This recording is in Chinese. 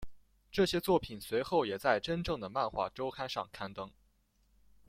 这些作品随后也在真正的漫画周刊上刊登。